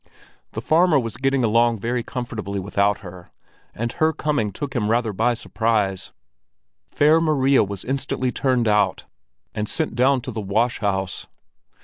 The farmer was getting along very comfortably without her, and her coming took him rather by surprise. Fair Maria was instantly turned out and sent down to the wash house.